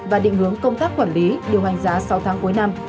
và định hướng công tác quản lý điều hành giá sáu tháng cuối năm hai nghìn hai mươi hai